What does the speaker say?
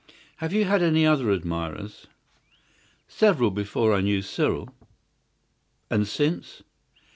"Have you had any other admirers?" "Several before I knew Cyril." "And since?"